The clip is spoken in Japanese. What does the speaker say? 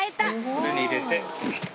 これに入れて。